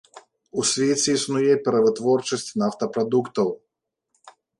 У свеце існуе перавытворчасць нафтапрадуктаў.